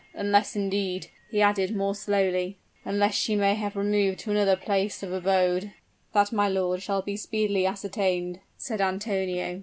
Unless, indeed," he added, more slowly "unless she may have removed to another place of abode " "That, my lord, shall be speedily ascertained," said Antonio.